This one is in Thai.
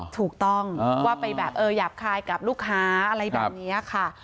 ถูกต้องว่าไปแบบหยาบคายกับลูกค้าอะไรแบบนี้ค่ะ